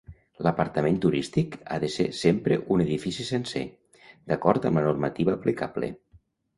L'apartament turístic ha de ser sempre un edifici sencer, d'acord amb la normativa aplicable.